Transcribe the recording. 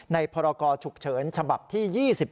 ในพกฉุกเฉินฉที่๒๗